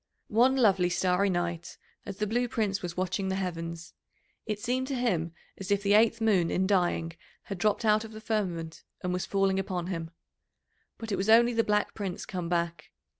One lovely starry night, as the Blue Prince was watching the heavens, it seemed to him as if the eighth moon in dying had dropped out of the firmament and was falling upon him. But it was only the Black Prince come back.